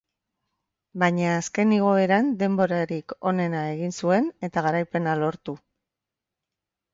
Baina azken igoeran denborarik onena egin zuen, eta garaipena lortu.